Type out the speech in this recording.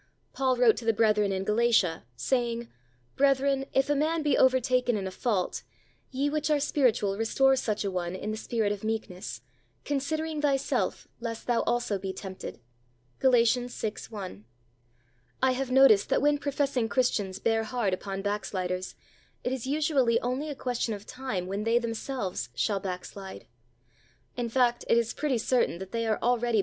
Paul wrote to the brethren in Galatia, saying, "Brethren, if a man be over taken in a fault, ye which are spiritual restore such an one in the spirit of meekness, con sidering thyself, lest thou also be tempted." (Gal. 6: i.) I have noticed that when professing Christians bear hard upon back sliders it is usually only a question of time when they themselves shall backslide. In fact, it is pretty certain that they are already DEAL GENTLY.